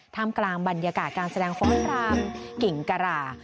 ถ้ามกลางบรรยากาศกลางแสดงฟ้องฮาลรามกิ๋งกระหร่